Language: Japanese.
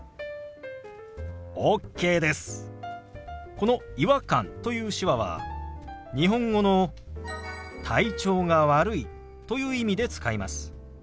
この「違和感」という手話は日本語の「体調が悪い」という意味で使います。